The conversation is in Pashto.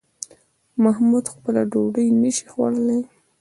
محمود خپله ډوډۍ نشي خوړلی